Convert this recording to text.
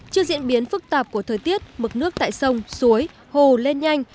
trước diễn biến phức tạp của thời tiết mực nước tại sông suối hồ lên nhanh